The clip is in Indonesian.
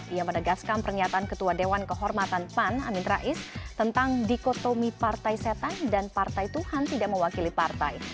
ia menegaskan pernyataan ketua dewan kehormatan pan amin rais tentang dikotomi partai setan dan partai tuhan tidak mewakili partai